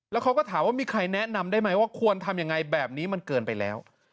แล้วเขาก็ถามว่ามีใครแนะนำได้ไหมว่าควรทำยังไงแบบนี้มันเกินไปแล้ว